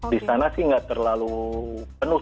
di sana sih nggak terlalu penuh